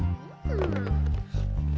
ih apaan sih